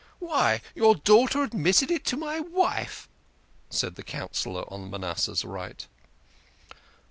"Why, your daughter admitted it to my wife," said the Councillor on Manasseh's right.